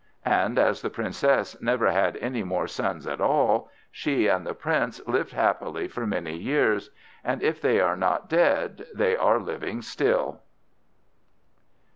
And as the Princess never had any more sons at all, she and the Prince lived happily for many years; and if they are not dead they are living still.